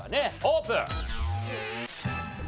オープン！